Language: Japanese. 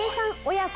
親子。